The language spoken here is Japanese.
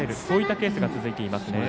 そういったケースが続いています。